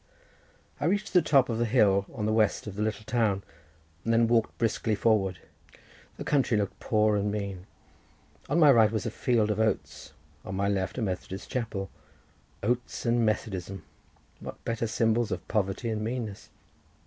I reached the top of the hill on the west of the little town, and then walked briskly forward. The country looked poor and mean—on my right was a field of oats, on my left a Methodist chapel—oats and Methodism! what better symbols of poverty and meanness?